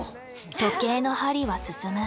時計の針は進む。